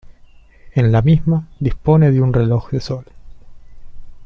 En la misma dispone de un reloj de sol.